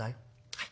「はい。